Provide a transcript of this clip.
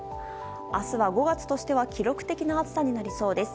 明日は５月としては記録的な暑さになりそうです。